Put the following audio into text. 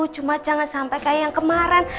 cuma jangan sampai kayak yang kemarin